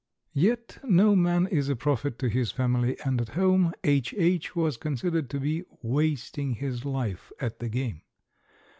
Yet no man is a prophet to his family, and at home "H.H." was considered to be "wasting his life at the game."